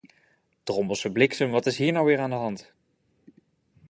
Drommelse bliksem, wat is hier nou weer aan de hand?